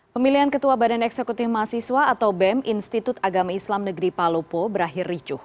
pemilihan ketua badan eksekutif mahasiswa atau bem institut agama islam negeri palopo berakhir ricuh